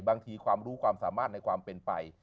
ความรู้ความสามารถในความเป็นไป